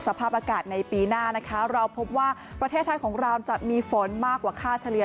สภาพอากาศในปีหน้านะคะเราพบว่าประเทศไทยของเราจะมีฝนมากกว่าค่าเฉลี่ย